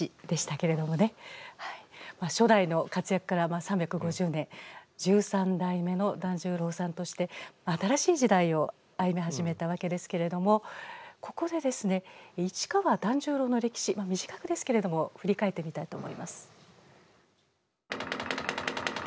初代の活躍から３５０年十三代目の團十郎さんとして新しい時代を歩み始めたわけですけれどもここで市川團十郎の歴史短くですけれども振り返ってみたいと思います。